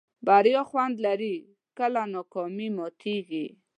بریا خوند لري کله ناکامي ماتېږي.